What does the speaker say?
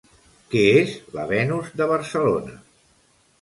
Què és la Venus de Barcelona?